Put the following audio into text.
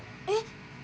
え？